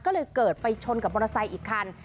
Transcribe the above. ก็เลยเกิดไปชนกับมอเตอร์ไซค์อีกคัน